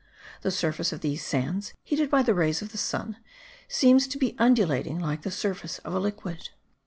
The surface of these sands, heated by the rays of the sun, seems to be undulating like the surface of a liquid.